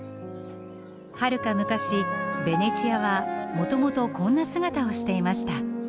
はるか昔ベネチアはもともとこんな姿をしていました。